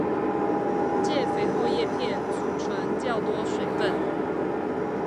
藉肥厚葉片貯存較多水分